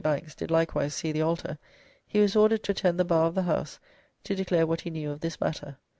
Banks did likewise see the Altar, he was ordered to attend the Bar of the House, to declare what he knew of this matter.